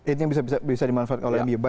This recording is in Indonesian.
ini yang bisa dimanfaatkan oleh mu